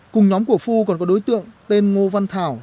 cùng nhóm của phu còn có đối tượng tên ngô văn thảo